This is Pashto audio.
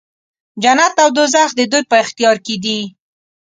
جنت او دوږخ د دوی په اختیار کې دی.